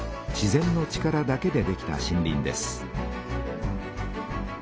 自然の力だけでできた森林です。